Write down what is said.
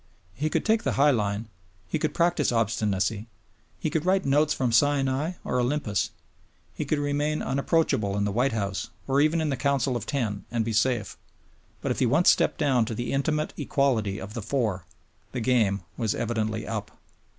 He could take the high line; he could practise obstinacy; he could write Notes from Sinai or Olympus; he could remain unapproachable in the White House or even in the Council of Ten and be safe. But if he once stepped down to the intimate equality of the Four, the game was evidently up.